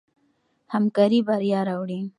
همکاري بریا راوړي.